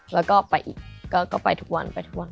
แล้วก็ไปอีกก็ไปทุกวันไปทุกวัน